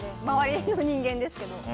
周りの人間ですけど。